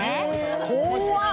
怖っ